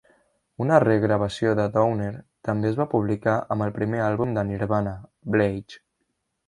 Una re-gravació de "Downer" també es va publicar amb el primer àlbum de Nirvana, "Bleach".